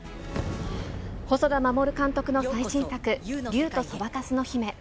細田守監督の最新作、竜とそばかすの姫。